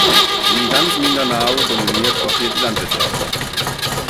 Wie in ganz Mindanao dominiert auch hier die Landwirtschaft.